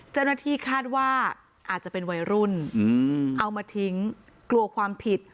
เจ้าหน้าที่คาดว่าอาจจะเป็นวัยรุ่นเอามาทิ้งกลัวความผิด